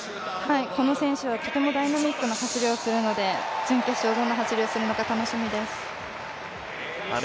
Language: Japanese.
この選手はとてもダイナミックな走りをするので準決勝どんな走りをするのか楽しみです。